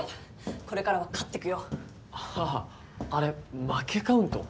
これからは勝ってくよあああれ負けカウント？